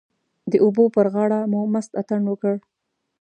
د اوبو پر غاړه مو مست اتڼ وکړ.